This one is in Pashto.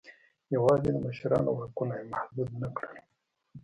یوازې د مشرانو واکونه یې محدود نه کړل.